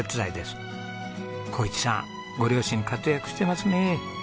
幸一さんご両親活躍してますね。